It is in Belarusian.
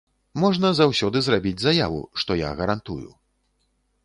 Можна заўсёды зрабіць заяву, што я гарантую.